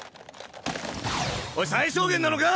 おい最小限なのか⁉